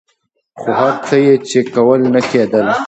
خو هر څه یې چې کول نه کېدل.